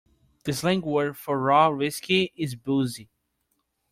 The slang word for raw whiskey is booze.